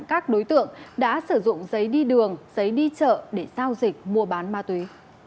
các đối tượng đã sử dụng giấy đi đường giấy đi chợ để giao dịch mua bán ma túy